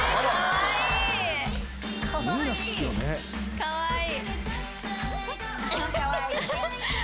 かわいい！